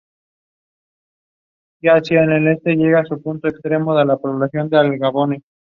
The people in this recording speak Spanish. Las principales fuentes de industria son una pesquería, que pertenece al municipio, y salinas.